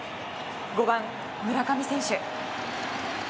５番、村上選手。